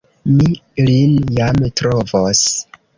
Mi lin jam trovos!